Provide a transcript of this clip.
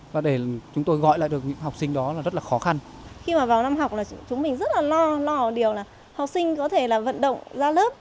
lo điều là học sinh có thể là vận động ra lớp